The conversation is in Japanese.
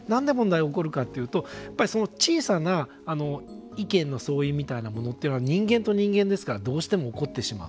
なんで問題が起こるかというと小さな意見の相違というのは人間と人間ですからどうしても起こってしまう。